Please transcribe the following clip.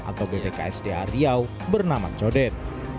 atau bp ksda riau bernama codet